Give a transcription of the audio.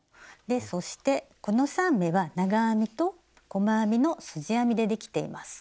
そしてこの３目は長編みと細編みのすじ編みでできています。